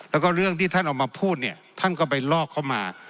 แล้วก็เรื่องที่ท่านเอามาพูดเนี่ยท่านก็ไปลอกเข้ามา